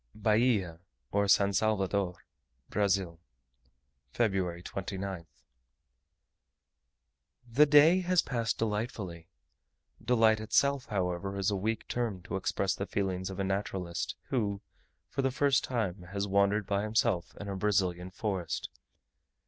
BAHIA, OR SAN SALVADOR. BRAZIL, Feb. 29th. The day has passed delightfully. Delight itself, however, is a weak term to express the feelings of a naturalist who, for the first time, has wandered by himself in a Brazilian forest.